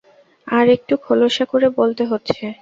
আর একটু খোলসা করে বলতে হচ্ছে।